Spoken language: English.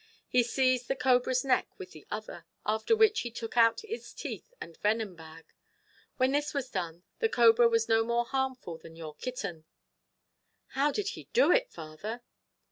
He seized the cobra's neck with the other, after which he took out its teeth and venom bag. When this was done the cobra was no more harmful than your kitten." "How did he do it, father?"